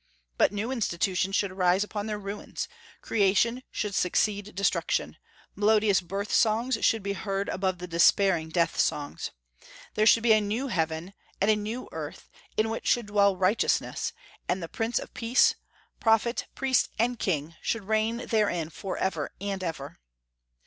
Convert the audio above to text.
But new institutions should arise upon their ruins; creation should succeed destruction; melodious birth songs should be heard above the despairing death songs. There should be a new heaven and a new earth, in which should dwell righteousness; and the Prince of Peace Prophet, Priest, and King should reign therein forever and ever.